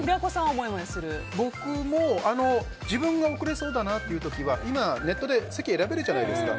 僕も、自分が遅れそうだなという時はネットで席を選べるじゃないですか。